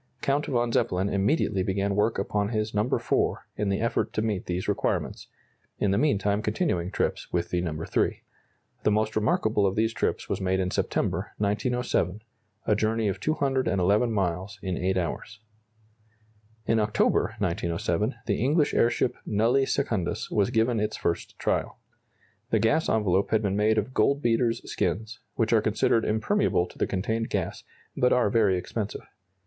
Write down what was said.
Count von Zeppelin immediately began work upon his No. IV, in the effort to meet these requirements, in the meantime continuing trips with No. III. The most remarkable of these trips was made in September, 1907, a journey of 211 miles in 8 hours. In October, 1907, the English airship "Nulli Secundus" was given its first trial. The gas envelope had been made of goldbeater's skins, which are considered impermeable to the contained gas, but are very expensive.